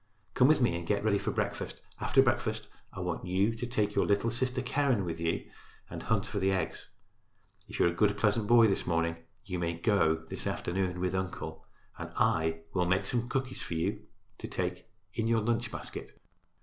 Come with me and get ready for breakfast. After breakfast I want you to take little sister Keren with you and hunt for the eggs. If you are a good, pleasant boy this morning you may go this afternoon with uncle, and I will make some cookies for you to take in your lunch basket."